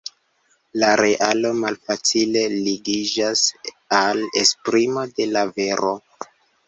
La realo malfacile ligiĝas al esprimo de la vero.